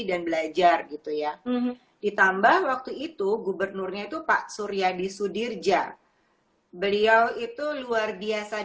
dan belajar gitu ya ditambah waktu itu gubernurnya itu pak surya di sudirja beliau itu luar biasa